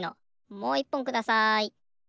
もういっぽんください。